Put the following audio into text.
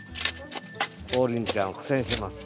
王林ちゃんは苦戦してます。